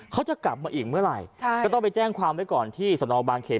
เขาจะกลับมาอีกเมื่อไหร่ก็ต้องไปแจ้งความไว้ก่อนที่สนบางเขน